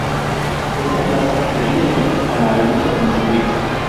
Esta plaza le dio el nombre a la avenida donde se ubica.